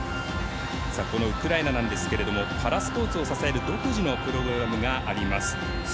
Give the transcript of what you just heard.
ウクライナですけどパラスポーツを支える独自のプログラムがあります。